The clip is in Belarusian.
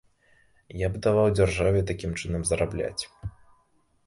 Я б даваў дзяржаве такім чынам зарабляць.